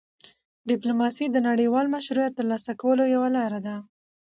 ډيپلوماسي د نړیوال مشروعیت ترلاسه کولو یوه لار ده.